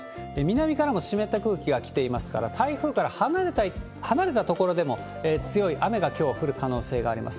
南からも湿った空気が来ていますから、台風から離れた所でも強い雨がきょう、降る可能性があります。